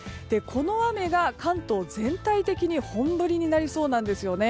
この雨が、関東全体的に本降りになりそうなんです。